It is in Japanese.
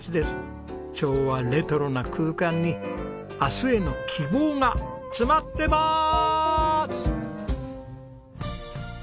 昭和レトロな空間に明日への希望が詰まってまーす！